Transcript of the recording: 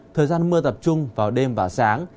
thời gian mưa tập trung vào đêm và sáng